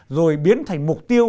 rồi biến thành mục tiêu